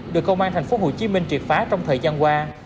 được công an tp hcm triệt phá trong thời gian qua